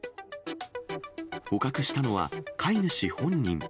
捕獲したのは飼い主本人。